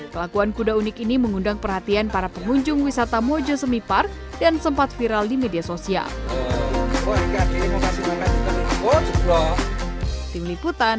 kelakuan kuda unik ini mengundang perhatian para pengunjung wisata mojosemi park dan sempat viral di media sosial